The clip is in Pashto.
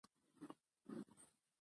شفافه کړنلاره د باور پیاوړتیا سبب ګرځي.